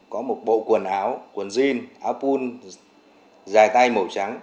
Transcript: có một bộ quần áo quần jean áo pul dài tay màu trắng